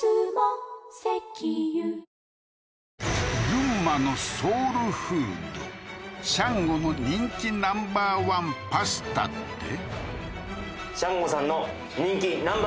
群馬のソウルフードシャンゴの人気Ｎｏ．１パスタって？